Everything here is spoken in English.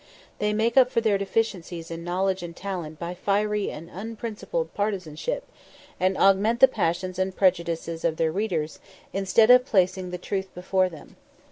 They make up for their deficiencies in knowledge and talent by fiery and unprincipled partisanship, and augment the passions and prejudices of their readers instead of placing the truth before them.